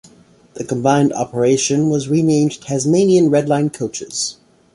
The combined operation was renamed Tasmanian Redline Coaches.